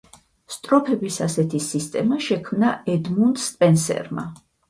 სტროფების ასეთი სისტემა შექმნა ედმუნდ სპენსერმა.